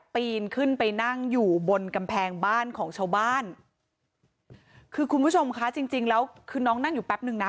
ปีนขึ้นไปนั่งอยู่บนกำแพงบ้านของชาวบ้านคือคุณผู้ชมคะจริงจริงแล้วคือน้องนั่งอยู่แป๊บนึงนะ